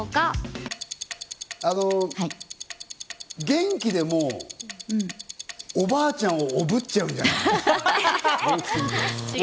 元気でもおばあちゃんをおぶっちゃうんじゃない？